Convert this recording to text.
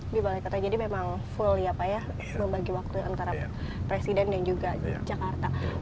di balai kota jadi memang full ya pak ya membagi waktu antara presiden dan juga jakarta